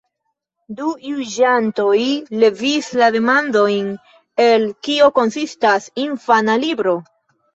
Du juĝantoj levis la demandon, el kio konsistas infana libro?